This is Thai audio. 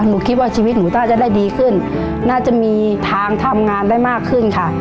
หนูคิดว่าชีวิตหนูน่าจะได้ดีขึ้นน่าจะมีทางทำงานได้มากขึ้นค่ะ